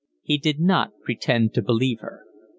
He did not pretend to believe her.